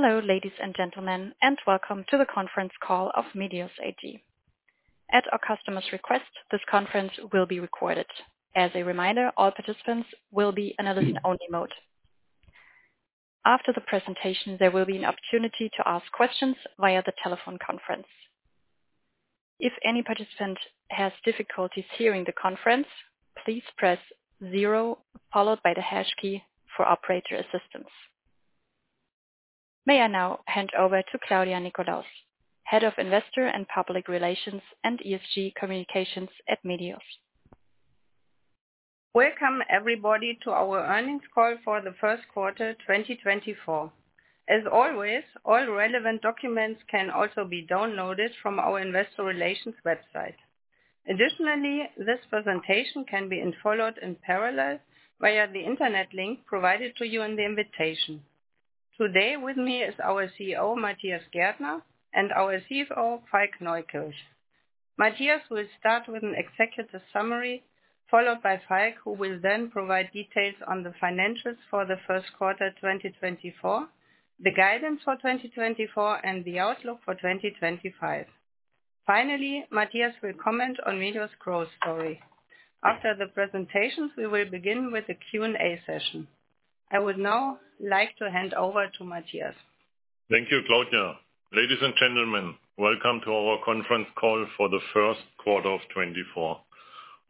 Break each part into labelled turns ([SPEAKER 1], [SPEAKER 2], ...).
[SPEAKER 1] Hello, ladies and gentlemen, and welcome to the conference call of Medios AG. At our customer's request, this conference will be recorded. As a reminder, all participants will be in listen-only mode. After the presentation, there will be an opportunity to ask questions via the telephone conference. If any participant has difficulties hearing the conference, please press zero, followed by the hash key, for operator assistance. May I now hand over to Claudia Nickolaus, Head of Investor and Public Relations and ESG Communications at Medios.
[SPEAKER 2] Welcome, everybody, to our earnings call for the first quarter, 2024. As always, all relevant documents can also be downloaded from our investor relations website. Additionally, this presentation can be followed in parallel via the internet link provided to you in the invitation. Today, with me is our CEO, Matthias Gärtner, and our CFO, Falk Neukirch. Matthias will start with an executive summary, followed by Falk, who will then provide details on the financials for the first quarter, 2024, the guidance for 2024, and the outlook for 2025. Finally, Matthias will comment on Medios' growth story. After the presentations, we will begin with a Q&A session. I would now like to hand over to Matthias.
[SPEAKER 3] Thank you, Claudia. Ladies and gentlemen, welcome to our conference call for the first quarter of 2024.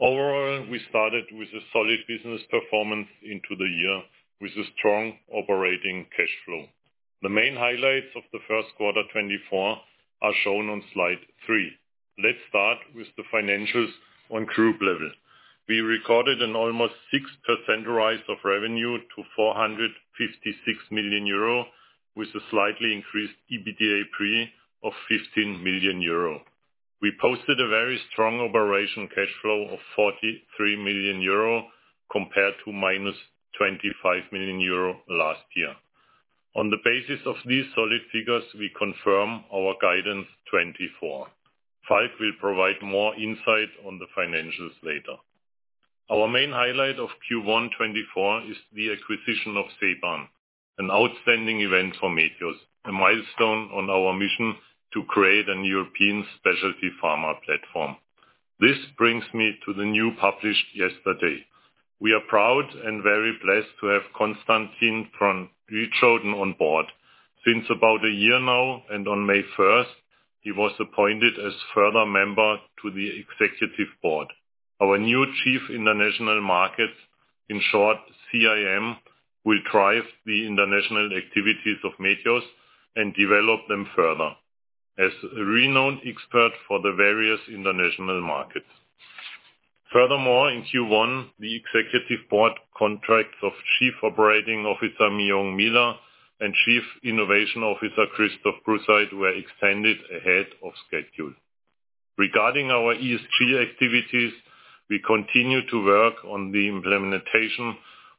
[SPEAKER 3] Overall, we started with a solid business performance into the year, with a strong operating cash flow. The main highlights of the first quarter, 2024, are shown on slide three. Let's start with the financials on group level. We recorded an almost 6% rise of revenue to 456 million euro, with a slightly increased EBITDA pre of 15 million euro. We posted a very strong operating cash flow of 43 million euro, compared to -25 million euro last year. On the basis of these solid figures, we confirm our guidance, 2024. Falk will provide more insight on the financials later. Our main highlight of Q1 2024 is the acquisition of Ceban, an outstanding event for Medios, a milestone on our mission to create a European specialty pharma platform. This brings me to the news published yesterday. We are proud and very blessed to have Constantijn van Rietschoten on board since about a year now, and on May first, he was appointed as further member to the executive board. Our new Chief International Markets, in short, CIM, will drive the international activities of Medios and develop them further as a renowned expert for the various international markets. Furthermore, in Q1, the executive board contracts of Chief Operating Officer Mi-Young Miehler and Chief Innovation Officer Christoph Prusseit were extended ahead of schedule. Regarding our ESG activities, we continue to work on the implementation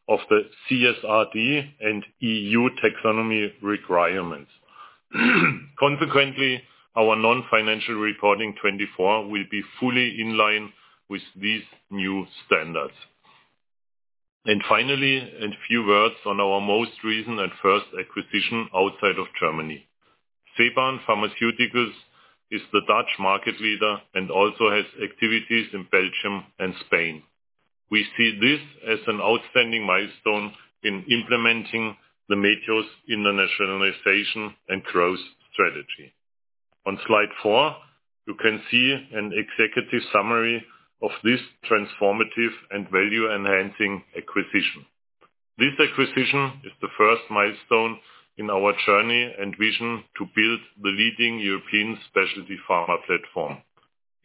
[SPEAKER 3] of the CSRD and EU Taxonomy requirements. Consequently, our non-financial reporting 2024 will be fully in line with these new standards. Finally, a few words on our most recent and first acquisition outside of Germany. Ceban Pharmaceuticals is the Dutch market leader and also has activities in Belgium and Spain. We see this as an outstanding milestone in implementing the Medios internationalization and growth strategy. On slide four, you can see an executive summary of this transformative and value-enhancing acquisition. This acquisition is the first milestone in our journey and vision to build the leading European specialty pharma platform.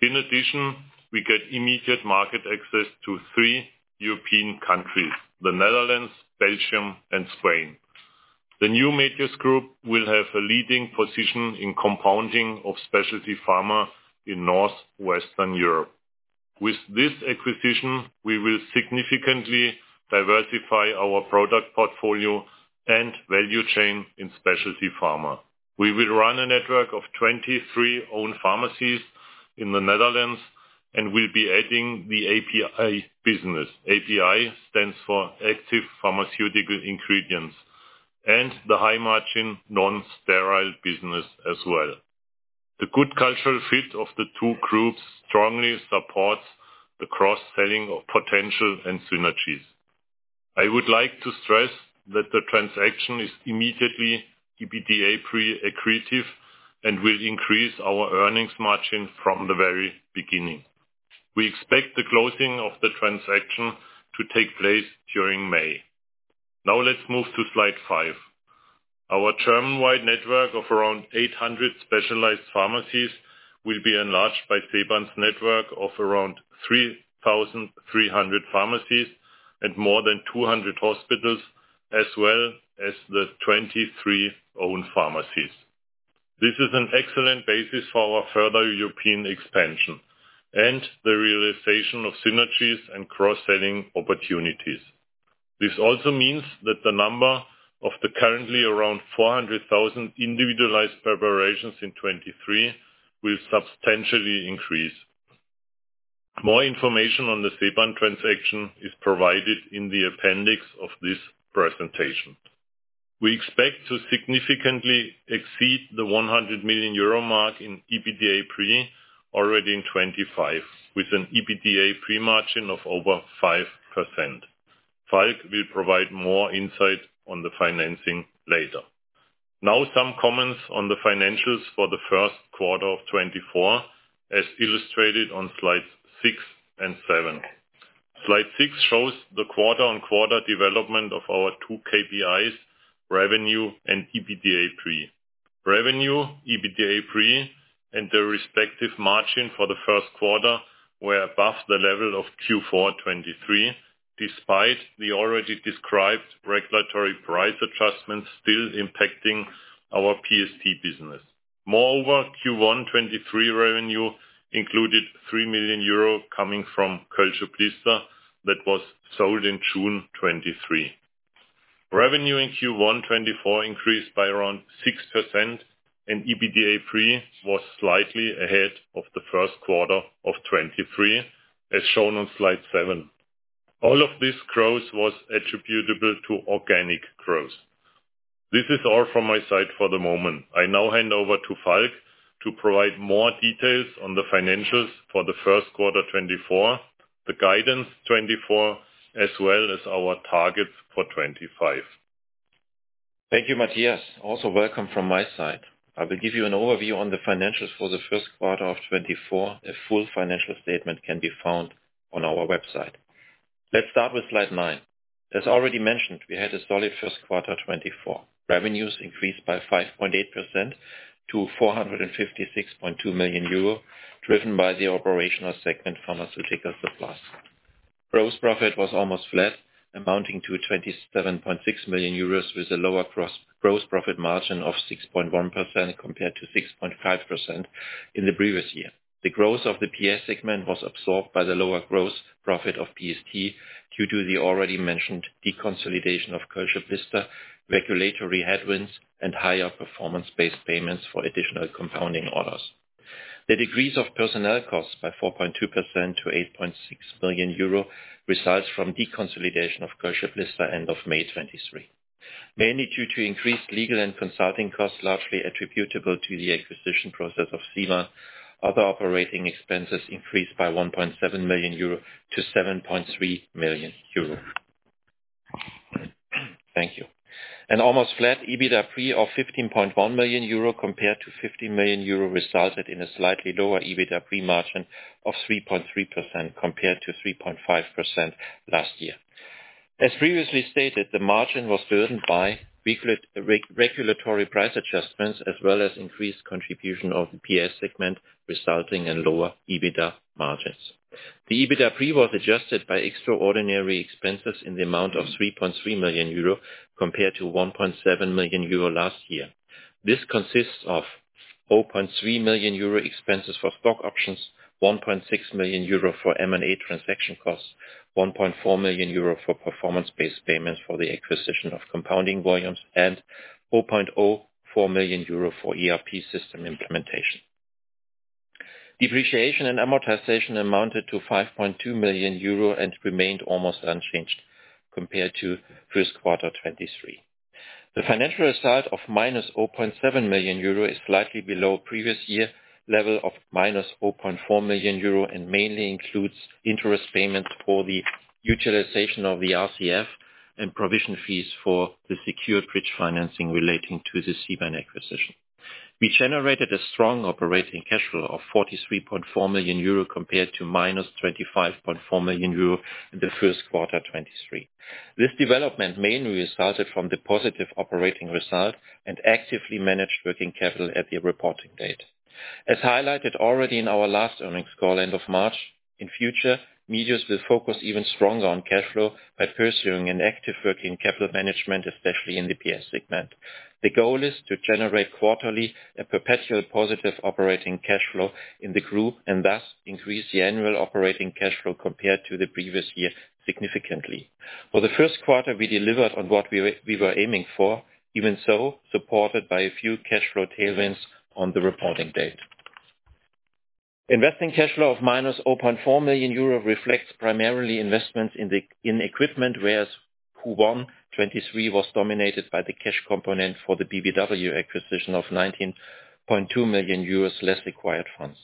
[SPEAKER 3] In addition, we get immediate market access to three European countries: the Netherlands, Belgium, and Spain. The new Medios Group will have a leading position in compounding of specialty pharma in Northwestern Europe. With this acquisition, we will significantly diversify our product portfolio and value chain in specialty pharma. We will run a network of 23 owned pharmacies in the Netherlands, and we'll be adding the API business. API stands for Active Pharmaceutical Ingredients, and the high-margin, non-sterile business as well. The good cultural fit of the two groups strongly supports the cross-selling of potential and synergies. I would like to stress that the transaction is immediately EBITDA accretive and will increase our earnings margin from the very beginning. We expect the closing of the transaction to take place during May. Now, let's move to slide five. Our German-wide network of around 800 specialized pharmacies will be enlarged by Ceban's network of around 3,300 pharmacies and more than 200 hospitals, as well as the 23 owned pharmacies. This is an excellent basis for our further European expansion and the realization of synergies and cross-selling opportunities. This also means that the number of the currently around 400,000 individualized preparations in 2023 will substantially increase. More information on the Ceban transaction is provided in the appendix of this presentation. We expect to significantly exceed the 100 million euro mark in EBITDA pre already in 2025, with an EBITDA pre-margin of over 5%. Falk will provide more insight on the financing later. Now, some comments on the financials for the first quarter of 2024, as illustrated on slides 6 and 7. Slide six shows the quarter-on-quarter development of our two KPIs, revenue and EBITDA pre. Revenue, EBITDA pre, and their respective margin for the first quarter were above the level of Q4 2023, despite the already described regulatory price adjustments still impacting our PST business. Moreover, Q1 2023 revenue included 3 million euro coming from Kölsche Blister that was sold in June 2023.
[SPEAKER 2] Revenue in Q1 2024 increased by around 6%, and EBITDA pre was slightly ahead of the first quarter of 2023, as shown on slide seven. All of this growth was attributable to organic growth. This is all from my side for the moment. I now hand over to Falk to provide more details on the financials for the first quarter 2024, the guidance 2024, as well as our targets for 2025.
[SPEAKER 4] Thank you, Matthias. Also welcome from my side. I will give you an overview on the financials for the first quarter of 2024. A full financial statement can be found on our website. Let's start with slide 9. As already mentioned, we had a solid first quarter 2024. Revenues increased by 5.8% to 456.2 million euro, driven by the operational segment, Pharmaceutical Supply. Gross profit was almost flat, amounting to 27.6 million euros, with a lower gross profit margin of 6.1%, compared to 6.5% in the previous year. The growth of the PS segment was absorbed by the lower gross profit of PST, due to the already mentioned deconsolidation of Kölsche Blister, regulatory headwinds, and higher performance-based payments for additional compounding orders. The decrease of personnel costs by 4.2% to 8.6 million euro results from deconsolidation of Kölsche Blister end of May 2023. Mainly due to increased legal and consulting costs, largely attributable to the acquisition process of Ceban, other operating expenses increased by 1.7 million euro to 7.3 million euro. Thank you. An almost flat EBITDA pre of 15.1 million euro compared to 50 million euro, resulted in a slightly lower EBITDA pre-margin of 3.3%, compared to 3.5% last year. As previously stated, the margin was burdened by regulatory price adjustments, as well as increased contribution of the PS segment, resulting in lower EBITDA margins. The EBITDA pre was adjusted by extraordinary expenses in the amount of 3.3 million euro, compared to 1.7 million euro last year. This consists of 4.3 million euro expenses for stock options, 1.6 million euro for M&A transaction costs, 1.4 million euro for performance-based payments for the acquisition of compounding volumes, and 4.04 million euro for ERP system implementation. Depreciation and amortization amounted to 5.2 million euro and remained almost unchanged compared to first quarter 2023. The financial result of -0.7 million euro is slightly below previous year level of -0.4 million euro, and mainly includes interest payments for the utilization of the RCF and provision fees for the secured bridge financing relating to the Ceban acquisition. We generated a strong operating cash flow of 43.4 million euro, compared to -25.4 million euro in the first quarter 2023. This development mainly resulted from the positive operating result and actively managed working capital at the reporting date. As highlighted already in our last earnings call, end of March, in future, Medios will focus even stronger on cash flow by pursuing an active working capital management, especially in the PS segment. The goal is to generate quarterly a perpetual positive operating cash flow in the group, and thus increase the annual operating cash flow compared to the previous year significantly. For the first quarter, we delivered on what we were, we were aiming for, even so, supported by a few cash flow tailwinds on the reporting date. Investing cash flow of -0.4 million euro reflects primarily investments in equipment, whereas Q1 2023 was dominated by the cash component for the BBW acquisition of 19.2 million euros, less acquired funds.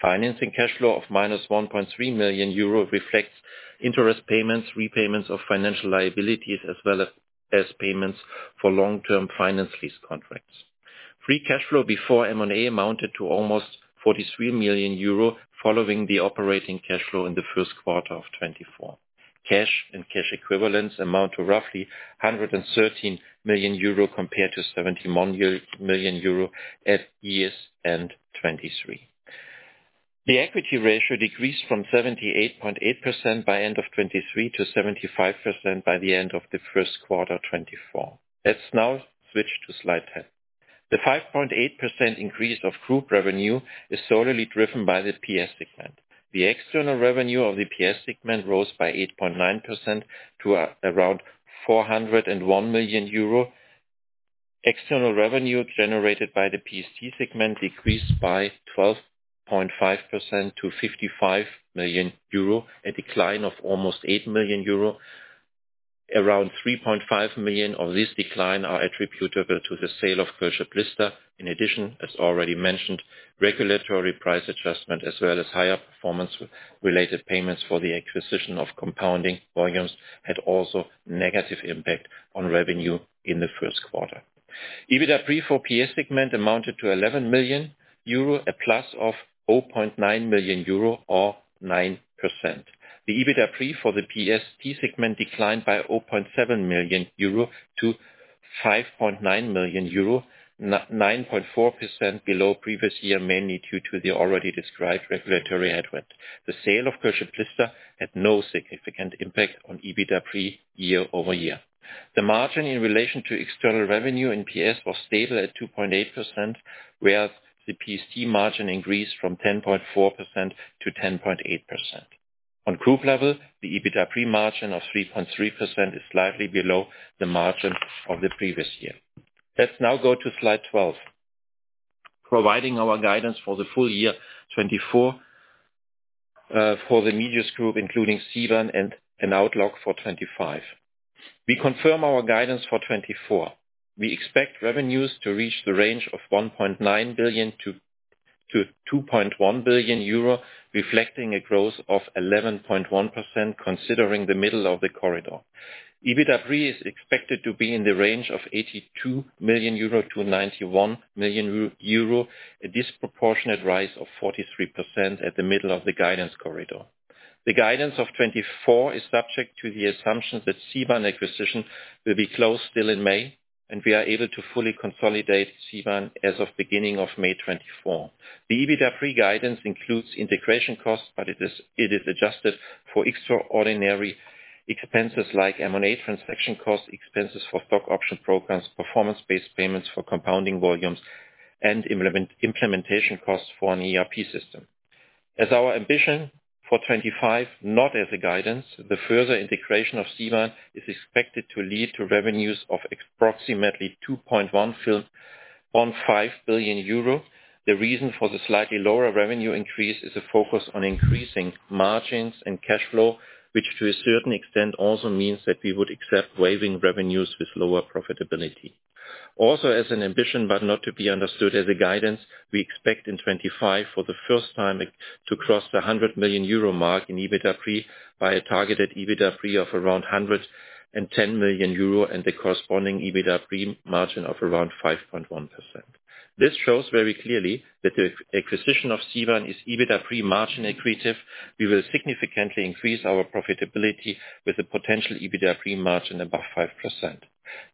[SPEAKER 4] Financing cash flow of -1.3 million euros reflects interest payments, repayments of financial liabilities, as well as, as payments for long-term finance lease contracts. Free cash flow before M&A amounted to almost 43 million euro, following the operating cash flow in the first quarter of 2024. Cash and cash equivalents amount to roughly 113 million euro, compared to 71 million euro at year's end 2023. The equity ratio decreased from 78.8% by end of 2023, to 75% by the end of the first quarter 2024. Let's now switch to slide 10. The 5.8% increase of group revenue is solely driven by the PS segment. The external revenue of the PS segment rose by 8.9% to around 401 million euro external revenue generated by the PST segment decreased by 12.5% to 55 million euro, a decline of almost 8 million euro. Around 3.5 million of this decline are attributable to the sale of Kölsche Blister. In addition, as already mentioned, regulatory price adjustment, as well as higher performance related payments for the acquisition of compounding volumes, had also negative impact on revenue in the first quarter. EBITDA pre for PS segment amounted to 11 million euro, a plus of 0.9 million euro or 9%. The EBITDA pre for the PST segment declined by 0.7 million euro to 5.9 million euro, nine point four percent below previous year, mainly due to the already described regulatory headwind. The sale of Kölsche Blister had no significant impact on EBITDA pre year-over-year. The margin in relation to external revenue in PS was stable at 2.8%, whereas the PST margin increased from 10.4% to 10.8%. On group level, the EBITDA pre-margin of 3.3% is slightly below the margin of the previous year. Let's now go to slide 12, providing our guidance for the full year 2024 for the Medios group, including Ceban, and an outlook for 2025. We confirm our guidance for 2024. We expect revenues to reach the range of 1.9 billion-2.1 billion euro, reflecting a growth of 11.1%, considering the middle of the corridor. EBITDA pre is expected to be in the range of 82 million-91 million euro, a disproportionate rise of 43% at the middle of the guidance corridor. The guidance of 2024 is subject to the assumption that Ceban acquisition will be closed still in May, and we are able to fully consolidate Ceban as of beginning of May 2024. The EBITDA pre-guidance includes integration costs, but it is adjusted for extraordinary expenses like M&A transaction costs, expenses for stock option programs, performance-based payments for compounding volumes, and implementation costs for an ERP system. As our ambition for 2025, not as a guidance, the further integration of Ceban is expected to lead to revenues of approximately 2.15 billion euro. The reason for the slightly lower revenue increase is a focus on increasing margins and cash flow, which to a certain extent also means that we would accept waiving revenues with lower profitability. Also, as an ambition, but not to be understood as a guidance, we expect in 2025 for the first time to cross the 100 million euro mark in EBITDA pre, by a targeted EBITDA pre of around 110 million euro, and the corresponding EBITDA pre-margin of around 5.1%. This shows very clearly that the acquisition of Ceban is EBITDA pre-margin accretive. We will significantly increase our profitability with a potential EBITDA pre-margin above 5%.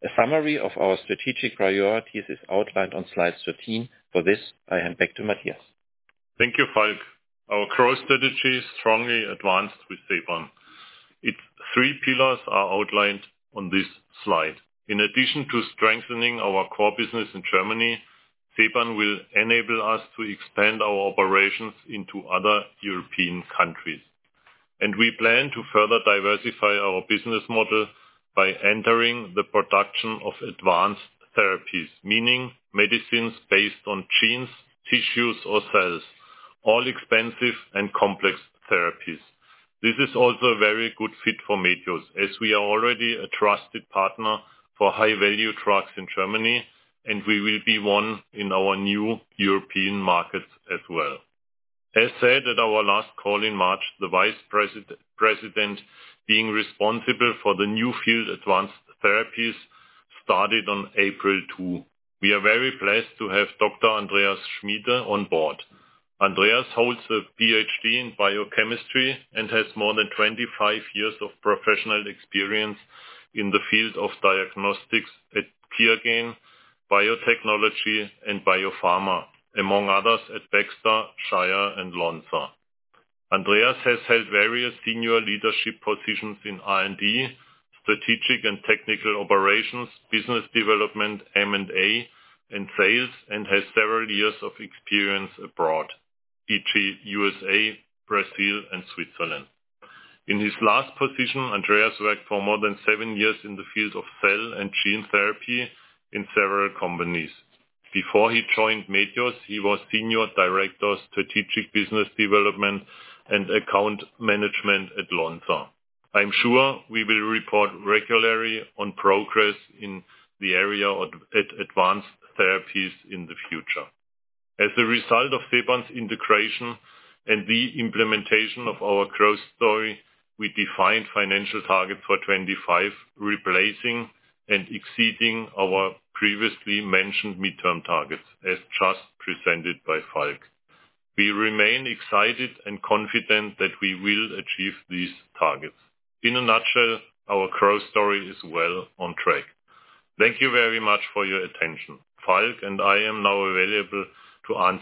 [SPEAKER 4] A summary of our strategic priorities is outlined on slide 13. For this, I hand back to Matthias.
[SPEAKER 3] Thank you, Falk. Our growth strategy is strongly advanced with Ceban. Its three pillars are outlined on this slide. In addition to strengthening our core business in Germany, Ceban will enable us to expand our operations into other European countries. And we plan to further diversify our business model by entering the production of advanced therapies, meaning medicines based on genes, tissues or cells, all expensive and complex therapies. This is also a very good fit for Medios, as we are already a trusted partner for high-value drugs in Germany, and we will be one in our new European markets as well. As said at our last call in March, the vice president, being responsible for the new field advanced therapies, started on April 2. We are very blessed to have Dr. Andreas Schmiede on board. Andreas holds a PhD in biochemistry and has more than 25 years of professional experience in the field of diagnostics at QIAGEN, biotechnology and biopharma, among others, at Baxter, Shire and Lonza. Andreas has held various senior leadership positions in R&D, strategic and technical operations, business development, M&A, and sales, and has several years of experience abroad, e.g., USA, Brazil and Switzerland. In his last position, Andreas worked for more than 7 years in the field of cell and gene therapy in several companies. Before he joined Medios, he was Senior Director, Strategic Business Development and Account Management at Lonza. I'm sure we will report regularly on progress in the area of advanced therapies in the future. As a result of Ceban's integration and the implementation of our growth story, we defined financial targets for 2025, replacing and exceeding our previously mentioned midterm targets, as just presented by Falk. We remain excited and confident that we will achieve these targets. In a nutshell, our growth story is well on track. Thank you very much for your attention. Falk and I am now available to answer-.